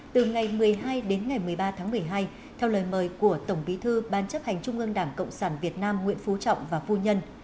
từ ngày một mươi hai đến ngày một mươi ba tháng một mươi hai theo lời mời của tổng bí thư ban chấp hành trung ương đảng cộng sản việt nam nguyễn phú trọng và phu nhân